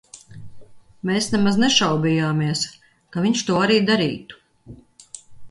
Mēs nemaz nešaubījāmies, ka viņš to arī darītu.